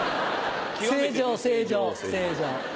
正常正常正常。